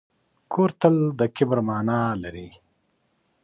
ګور تل د کبر مانا لري.